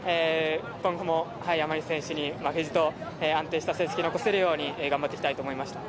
今後も山西選手に負けじと安定した成績を残せるように頑張っていきたいなと思いました。